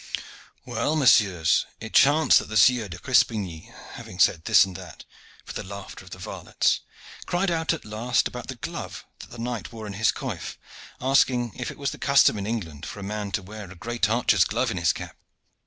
"Well, messieurs, it chanced that the Sieur de Crespigny, having said this and that, for the laughter of the varlets, cried out at last about the glove that the knight wore in his coif, asking if it was the custom in England for a man to wear a great archer's glove in his cap.